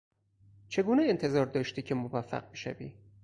چگونه انتظار داشتی که موفق بشوی؟